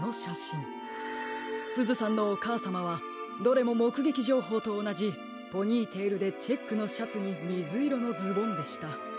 すずさんのおかあさまはどれももくげきじょうほうとおなじポニーテールでチェックのシャツにみずいろのズボンでした。